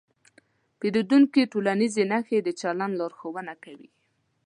د پیریدونکي ټولنیزې نښې د چلند لارښوونه کوي.